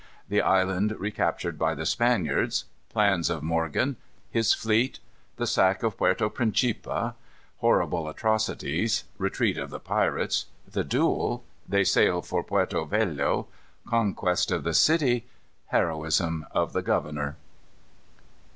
The Island Recaptured by the Spaniards. Plans of Morgan. His Fleet. The Sack of Puerto Principe. Horrible Atrocities. Retreat of the Pirates. The Duel. They Sail for Puerto Velo. Conquest of the City. Heroism of the Governor.